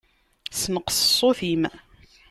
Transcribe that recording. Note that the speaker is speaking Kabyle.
Senqeṣ ṣṣut-im.